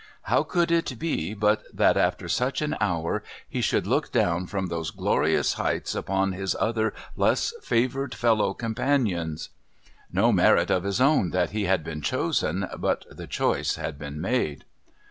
How could it be but that after such an hour he should look down from those glorious heights upon his other less favoured fellow companions? No merit of his own that he had been chosen, but the choice had been made.